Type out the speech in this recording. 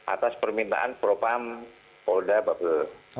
atas permintaan propam polda papua